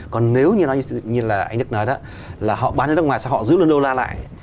còn nếu như anh đức nói đó là họ bán ở nước ngoài sao họ giữ luôn đô la lại